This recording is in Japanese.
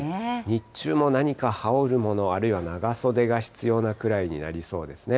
日中も何か羽織るもの、あるいは長袖が必要なくらいになりそうですね。